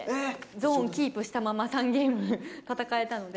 ゾーンをキープしたまま、３ゲーム戦えたので。